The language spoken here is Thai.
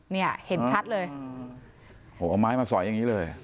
เนี่ยเห็นชัดเลยโอ้โหเอาไม้มาสอยอย่างนี้เลย